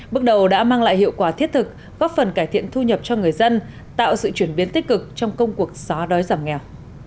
bước đầu đã mang lại hiệu quả thiết thực góp phần cải thiện thu nhập cho người dân tạo sự chuyển biến tích cực trong công cuộc xóa đói giảm nghèo